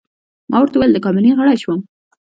ما ورته وویل: د کابینې غړی شوم.